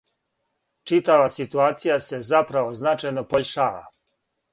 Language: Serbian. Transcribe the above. Читава ситуација се заправо значајно побољшава.